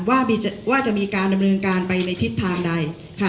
ว่าจะมีการดำเนินการไปในทิศทางใดค่ะ